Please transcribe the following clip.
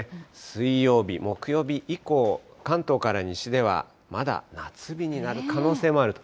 水曜日、木曜日以降、関東から西ではまだ夏日になる可能性もあると。